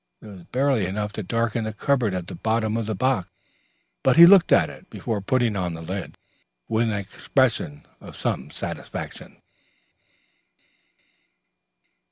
There was barely enough to darken the cardboard at the bottom of the box, but he looked at it, before putting on the lid, with an expression of some satisfaction.